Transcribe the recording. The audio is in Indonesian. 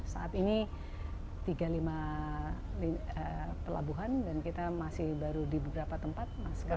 saat ini tiga puluh lima pelabuhan dan kita masih baru di beberapa tempat